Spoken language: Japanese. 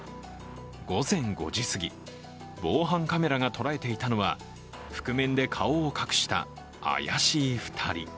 午前５時すぎ、防犯カメラが捉えていたのは覆面で顔を隠した怪しい２人。